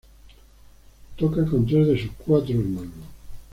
Toca con tres de sus cuatro hermanos.